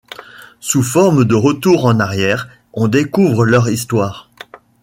Sous forme de retours en arrière, on découvre leur histoire.